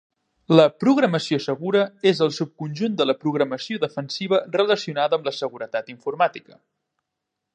La programació segura és el subconjunt de la programació defensiva relacionada amb la seguretat informàtica.